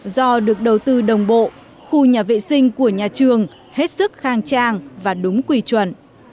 do được đầu tư đồng bộ khu nhà vệ sinh của nhà trường hết sức khang trang và đúng quy chuẩn